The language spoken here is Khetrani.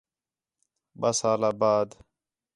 ٻَئہ سال آ بعد